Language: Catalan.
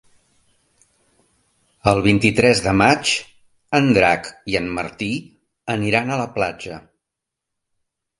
El vint-i-tres de maig en Drac i en Martí aniran a la platja.